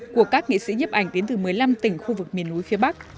của các nghị sĩ nhiếp ảnh đến từ một mươi năm tỉnh khu vực miền núi phía bắc